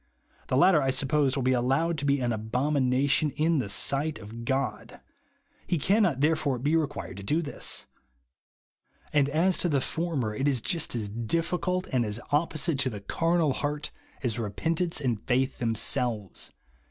The latter, I suppose, will be allowed to be an abomination in the sight of God ; Ire can not, therefore, be required to do this ; and as to the former, it is just as difficult and as opposite to the carnal heart as repent ance and faith themselves.